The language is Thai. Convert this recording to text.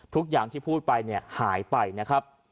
ทุกอย่างที่พูดไปเนี่ยหายไปนะครับ